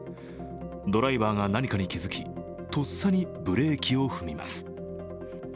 ドライバーが何かに気づき、とっさにブレーキを踏みます。